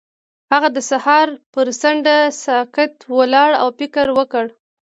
هغه د سهار پر څنډه ساکت ولاړ او فکر وکړ.